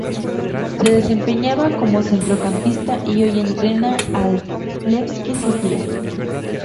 Se desempeñaba como centrocampista y hoy entrena al Levski Sofia.